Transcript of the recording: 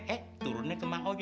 eh turunnya ke mangkoyo